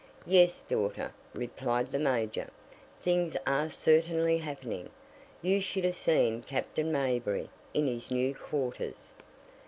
"Yes, daughter," replied the major, "things are certainly happening. You should have seen Captain Mayberry in his new quarters."